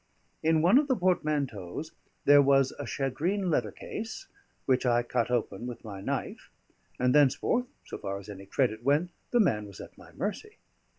In one of the portmanteaus there was a shagreen letter case, which I cut open with my knife; and thenceforth (so far as any credit went) the man was at my mercy.